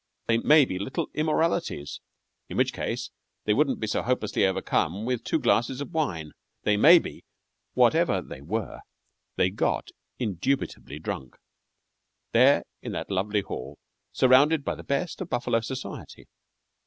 They may be Little Immoralities in which case they wouldn't be so hopelessly overcome with two glasses of wine. They may be " Whatever they were they got indubitably drunk there in that lovely hall, surrounded by the best of Buffalo society.